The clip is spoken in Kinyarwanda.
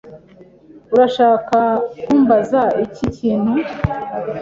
Urashaka kumbaza ikindi kintu?